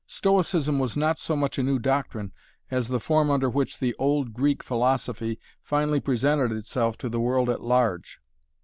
Stoicism was not so much a new doctrine as the form under which the old Greek philosophy finally presented itself to the world at large.